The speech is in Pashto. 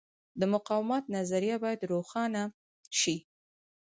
د مقاومت نظریه باید روښانه شي.